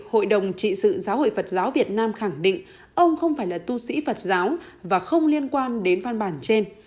hội đồng trị sự giáo hội phật giáo việt nam khẳng định ông không phải là tu sĩ phật giáo và không liên quan đến văn bản trên